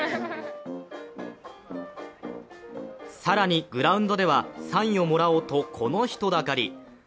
更にグラウンドでは、サインをもらおうとこの人だかり。